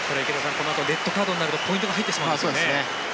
このあとレッドカードになるとポイントが入ってしまうんですよね。